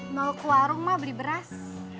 mau ke warung mah beli beras